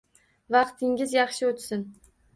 Vaqtingiz yaxshi o'tsin!